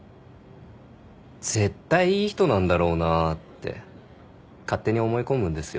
絶対いい人なんだろうなって勝手に思い込むんですよ。